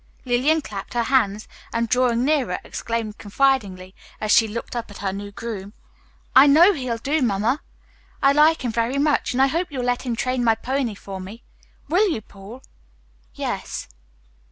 Lillian clapped her hands and, drawing nearer, exclaimed confidingly, as she looked up at her new groom, "I know he'll do, Mamma. I like him very much, and I hope you'll let him train my pony for me. Will you, Paul?" "Yes."